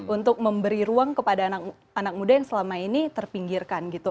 untuk memberi ruang kepada anak muda yang selama ini terpinggirkan gitu